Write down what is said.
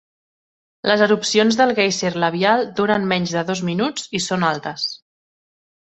Les erupcions del guèiser labial duren menys de dos minuts i són altes.